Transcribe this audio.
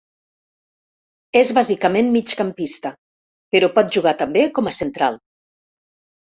És bàsicament migcampista, però pot jugar també com a central.